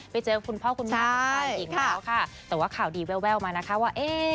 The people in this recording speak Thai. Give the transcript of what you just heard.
ไปเจอคุณพ่อคุณมากกว่าไปอีกแล้วค่ะแต่ว่าข่าวดีแววมานะคะว่าเอ๊ะ